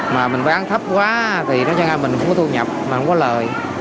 mà mình bán thấp quá thì nói chung là mình không có thu nhập mà không có lời